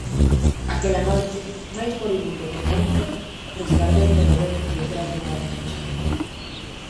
Aquela noite, máis moribundo que nunca, resgardeime do vento detrás dunha rocha.